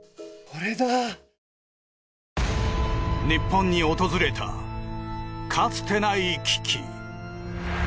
日本に訪れたかつてない危機。